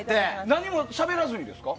何もしゃべらずにですか？